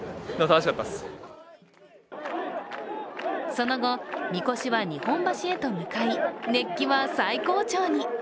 その後、神輿は日本橋へと向かい熱気は最高潮に。